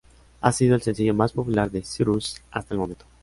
Ha sido el sencillo más popular de Cyrus hasta el momento.